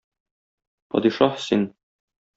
Падишаһ син!